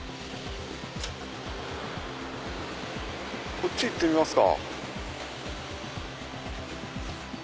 こっち行ってみますか。